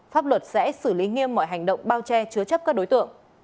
pháp luật sẽ xử lý nghiêm mọi hành động bao che chứa chấp các đối tượng